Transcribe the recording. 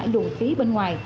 lùi khí bên ngoài